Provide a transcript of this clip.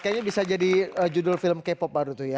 kayaknya bisa jadi judul film k pop baru tuh ya